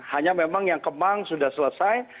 hanya memang yang kemang sudah selesai